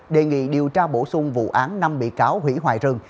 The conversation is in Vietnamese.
đề nghị điều tra bổ sung vụ án năm bị cáo hủy hoại rừng